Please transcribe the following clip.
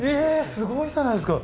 すごいじゃないですか！